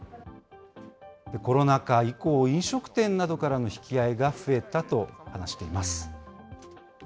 コロナ禍以降、飲食店などからの引き合いが増えたと話しています。